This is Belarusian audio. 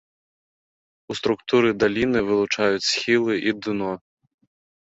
У структуры даліны вылучаюць схілы і дно.